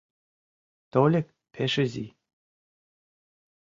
Тольык пеш изи.